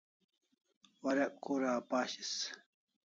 Warek kura apashis